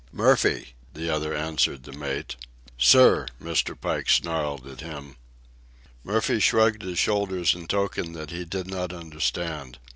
"Murphy," the other answered the mate. "Sir!" Mr. Pike snarled at him. Murphy shrugged his shoulders in token that he did not understand.